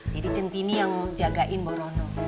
jadi cinti ini yang jagain bu rono